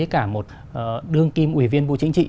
cả một đương kim ủy viên vụ chính trị